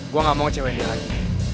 gue gak mau ngecewa dia lagi